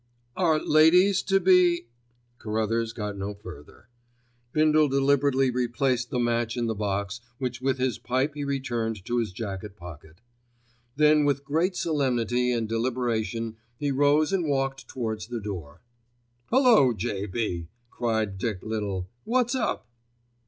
"Are ladies to be——" Carruthers got no further. Bindle deliberately replaced the match in the box, which with his pipe he returned to his jacket pocket. Then with great solemnity and deliberation he rose and walked towards the door. "Hullo! J.B.," cried Dick Little. "What's up?"